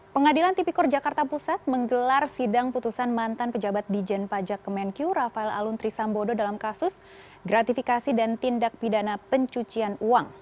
pengadilan tipikor jakarta pusat menggelar sidang putusan mantan pejabat di jen pajak kemenkyu rafael aluntri sambodo dalam kasus gratifikasi dan tindak pidana pencucian uang